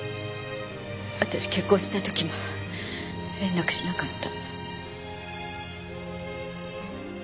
私結婚した時も連絡しなかった。